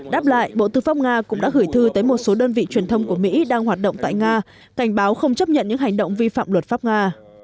đáp lại bộ tư pháp nga cũng đã gửi thư tới một số đơn vị truyền thông của mỹ đang hoạt động tại nga cảnh báo không chấp nhận những hành động vi phạm luật pháp nga